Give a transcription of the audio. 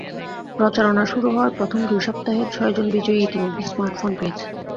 প্রচারণা শুরু হওয়ার প্রথম দুই সপ্তাহে ছয়জন বিজয়ী ইতিমধ্যে স্মার্টফোন পেয়েছেন।